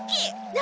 何？